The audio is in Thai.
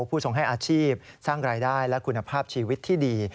ผู้ทรงให้อาชีพสร้างรายได้และคุณภาพชีวิตที่ดี